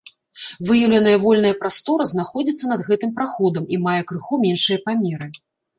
Выяўленая вольная прастора знаходзіцца над гэтым праходам і мае крыху меншыя памеры.